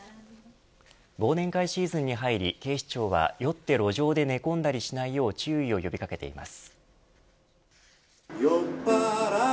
忘年会シーズンに入り、警視庁は酔って路上で寝込んだりしないよう注意を呼び掛けています。